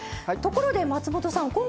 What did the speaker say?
ところで松本さん